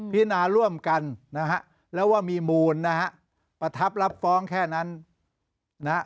พินาร่วมกันนะฮะแล้วว่ามีมูลนะฮะประทับรับฟ้องแค่นั้นนะฮะ